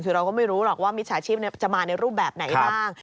คือเราก็ไม่รู้หรอกว่ามิจฉาชีพจะมาในรูปแบบไหนบ้าง